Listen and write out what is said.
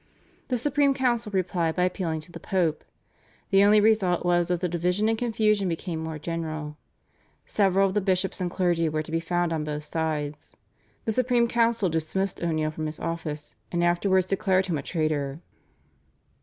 The Supreme Council replied by appealing to the Pope. The only result was that the division and confusion became more general. Several of the bishops and clergy were to be found on both sides. The Supreme Council dismissed O'Neill from his office, and afterwards declared him a traitor.